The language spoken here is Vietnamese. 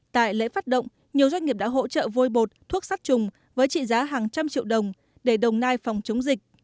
tại lễ phát động nhiều doanh nghiệp đã hỗ trợ vôi bột thuốc sắt trùng với trị giá hàng trăm triệu đồng để đồng nai phòng chống dịch